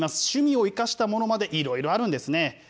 趣味を生かしたものまで、いろいろあるんですね。